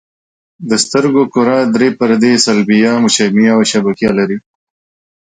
د سترګو کره درې پردې صلبیه، مشیمیه او شبکیه لري.